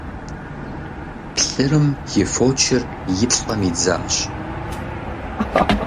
Плъырым и фочыр и плӀэм идзащ.